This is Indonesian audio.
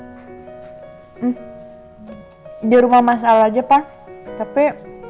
hmm di rumah mas al aja pak tapi